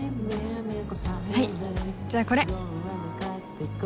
はいじゃあこれ。